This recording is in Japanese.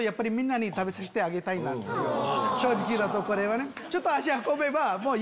正直なとこではね。